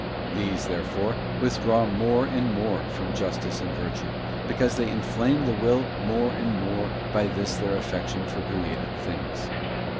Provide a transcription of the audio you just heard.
These, therefore, withdraw more and more from justice and virtue, because they inflame the will more and more by this their affection for created things.